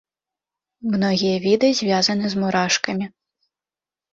Многія віды звязаны з мурашкамі.